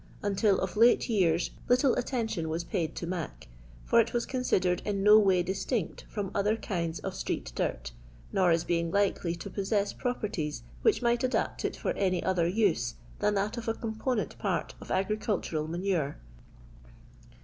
Until of late years little attention was paid to " Mac," for it was considered in no way dis tinct from other kinds of street dirt, nor as being likely to noasess properties which might adapt it lor any otoer use than that of a component part of agricultmral manure.